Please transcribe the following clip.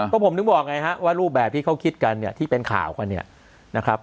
ก็ผมนึกวอกไงฮะว่ารูปแบบที่เขาคิดกันที่เป็นข่าวครับ